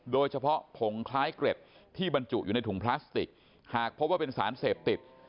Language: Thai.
ผงคล้ายเกร็ดที่บรรจุอยู่ในถุงพลาสติกหากพบว่าเป็นสารเสพติด